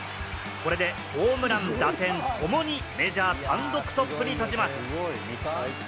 これでホームラン、打点ともにメジャー単独トップに立ちます。